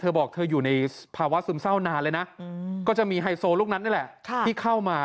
บอกเธออยู่ในภาวะซึมเศร้านานเลยนะก็จะมีไฮโซลูกนั้นนี่แหละที่เข้ามา